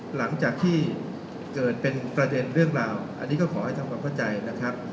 หลังจากที่เกิดเป็นประเด็นเรื่องราวอันนี้ก็ขอให้ทำความเข้าใจนะครับ